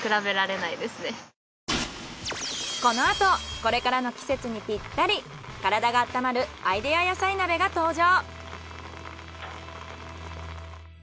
このあとこれからの季節にぴったり体が温まるアイデア野菜鍋が登場。